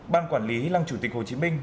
ban quản lý lăng chủ tịch hồ chí minh